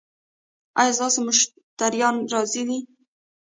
ایا ستاسو مشتریان راضي دي؟